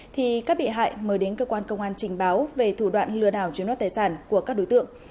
thì các bị hại mới đến cơ quan công an trình báo về thủ đoạn lừa đảo chiếm đoạt tài sản của các đối tượng